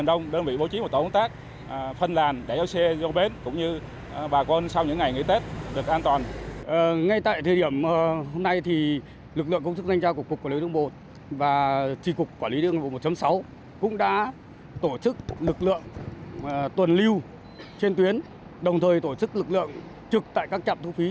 quân vị đã bố trí các tổ hợp phân luồng điều tiết từ xa để không để tình trạng hùn tắc xảy ra